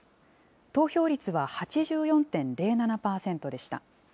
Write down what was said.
投票率は８４．０７％でした。